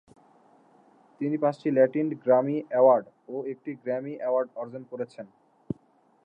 তিনি পাঁচটি Latin Grammy award ও একটি গ্র্যামি এওয়ার্ড অর্জন করেছেন।